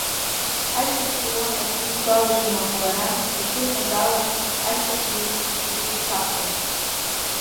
Ашьҭахьтәи уаҳа акгьы сгәалашәом, аха лара ишылҳәаз ала, ашьҭахьгьы зегь шьахәын.